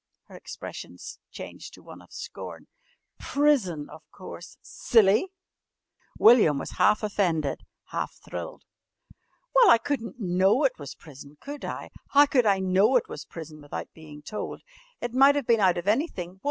Her expression changed to one of scorn. "Prison, of course! Silly!" William was half offended, half thrilled. "Well, I couldn't know it was prison, could I? How could I know it was prison without bein' told? It might of been out of anything.